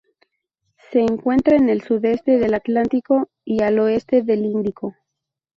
Se encuentra al sudeste del Atlántico y al oeste del Índico.